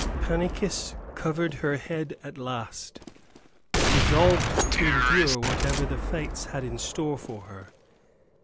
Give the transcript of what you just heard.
Pannychis covered her head at last, resolved to endure whatever the Fates had in store for her.